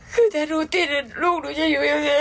แค่แบบเนี่ยรูปลูกหนูจะอยู่อย่างไง